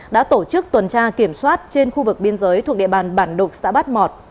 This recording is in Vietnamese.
đã tổ chức tuần tra kiểm soát trên khu vực biên giới thuộc địa bàn bản đục xã bát mọt